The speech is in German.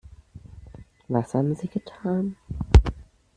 Was haben Sie getan?